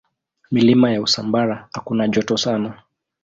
Milima ya Usambara hakuna joto sana.